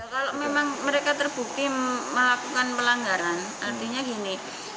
kalau memang mereka terbukti melakukan pelanggaran artinya gini